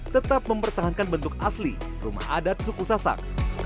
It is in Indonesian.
tetap mempertahankan bentuk asli rumah adat suku sasak